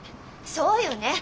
そうよねえ。